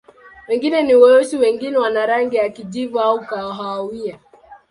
Wengine ni weusi, wengine wana rangi ya kijivu au kahawia.